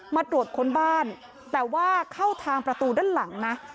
มาตรวจค้นบ้านแต่ว่าเข้าทางประตูด้านหลังนะ